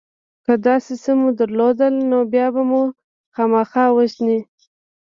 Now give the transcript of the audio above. که داسې څه مو درلودل نو بیا به مو خامخا وژني